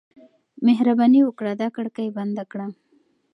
مهرباني وکړه دا کړکۍ بنده کړه.